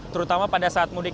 terutama pada saat mudik